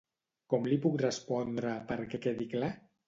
Com li puc respondre perquè quedi clar?